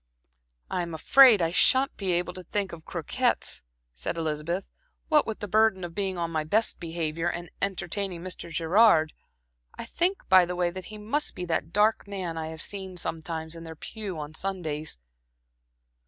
"I'm afraid I shan't be able to think of croquettes," said Elizabeth, "what with the burden of being on my best behavior and entertaining Mr. Gerard. I think by the way, that he must be that dark man I have seen sometimes in their pew on Sundays.